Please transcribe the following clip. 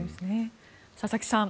佐々木さん